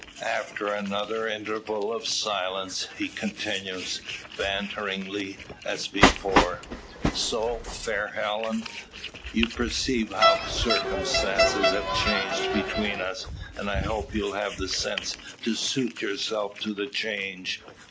After another interval of silence, he continues, banteringly as before: "So, fair Helen, you perceive how circumstances have changed between us, and I hope you'll have the sense to suit yourself to the change.